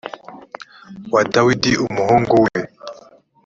wa dawidi umuhungu we